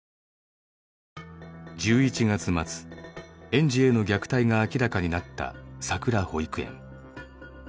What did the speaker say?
１１月末園児への虐待が明らかになったさくら保育園。